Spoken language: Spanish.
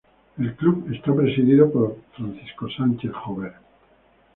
El club es presidido por Francisco Sánchez Jover.